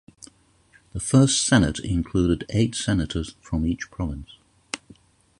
The First Senate included eight Senators from each province.